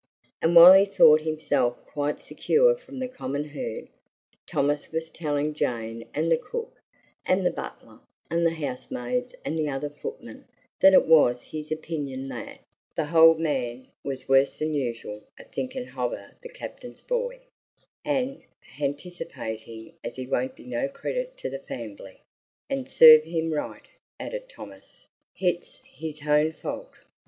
And while he thought himself quite secure from the common herd, Thomas was telling Jane and the cook, and the butler, and the housemaids and the other footmen that it was his opinion that "the hold man was wuss than usual a thinkin' hover the Capting's boy, an' hanticipatin' as he won't be no credit to the fambly. An' serve him right," added Thomas; "hit's 'is hown fault.